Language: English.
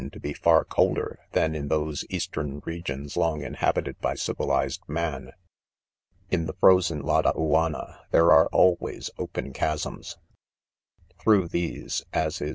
to be far colder than in those eastern regions long inhabited by civilized man. c In the frozen Ladauanna, there are always ,open chasms. Through these, as is